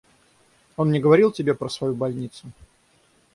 Он не говорил тебе про свою больницу?